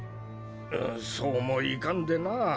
んそうもいかんでなあ。